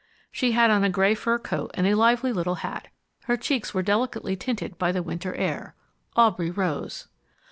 She had on a gray fur coat and a lively little hat. Her cheeks were delicately tinted by the winter air. Aubrey rose.